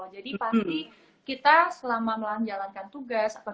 jadi pasti kita selama melam jalankan tugas